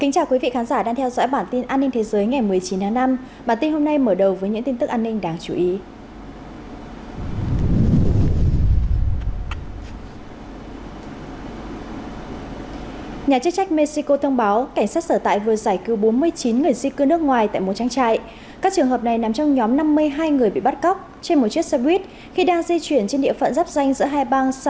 cảm ơn các bạn đã theo dõi